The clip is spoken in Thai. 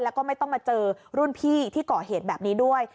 แล้วก็ไม่ต้องมาเจอรุ่นพี่ที่ก่อเหตุแบบนี้ด้วย